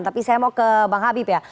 tapi saya mau ke bang habib ya